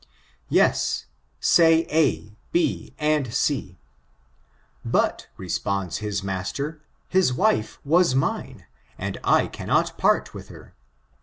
Yes, say A., B. and C. But, responds bis master, his wife was mine, and I cannot part with her.